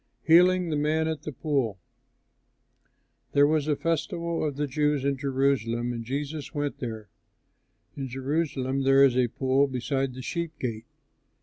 HEALING THE MAN AT THE POOL There was a festival of the Jews in Jerusalem, and Jesus went there. In Jerusalem there is a pool beside the sheep gate.